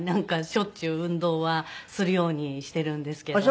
しょっちゅう運動はするようにしているんですけど。